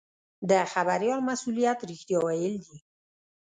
د خبریال مسوولیت رښتیا ویل دي.